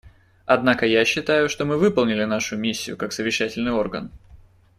Однако я считаю, что мы выполнили нашу миссию как совещательный орган.